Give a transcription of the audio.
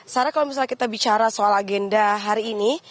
sarah kalau misalnya kita bicara soal agenda hari ini